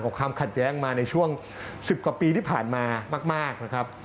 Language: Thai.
ความขัดแย้งมาในช่วง๑๐กว่าปีที่ผ่านมามากนะครับ